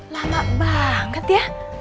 lama banget ya